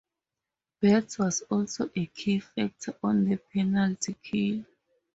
Betts was also a key factor on the penalty kill.